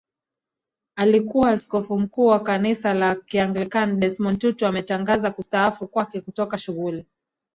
alikuwa Askofu mkuu wa kanisa la Kianglikana Desmond Tutu ametangaza kustaafu kwake kutoka shughuli